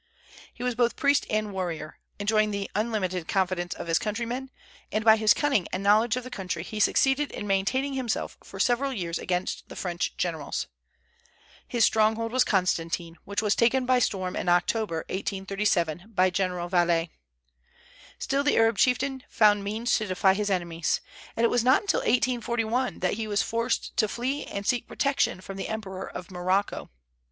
He was both priest and warrior, enjoying the unlimited confidence of his countrymen; and by his cunning and knowledge of the country he succeeded in maintaining himself for several years against the French generals. His stronghold was Constantine, which was taken by storm in October, 1837, by General Vallée. Still, the Arab chieftain found means to defy his enemies; and it was not till 1841 that he was forced to flee and seek protection from the Emperor of Morocco.